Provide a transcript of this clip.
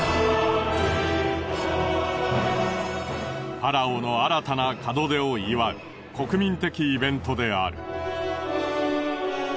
ファラオの新たな門出を祝う国民的イベントである。